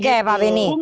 oke pak benny